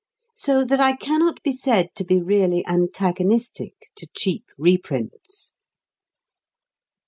So that I cannot be said to be really antagonistic to cheap reprints.